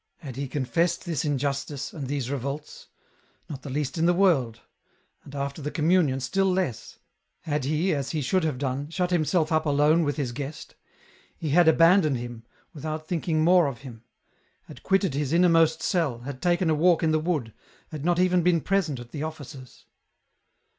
Had he confessed this injustice, and these revolts ? Not the least in the world ; and after the communion still less ; had he, as he should have done, shut himself up alone with his Guest ? He had abandoned Him, without thinking more of Him ; had quitted his innermost cell, had taken a walk in the wood, had not even been present at the Offices.